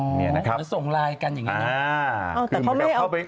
เหมือนส่งไลน์กันอย่างนี้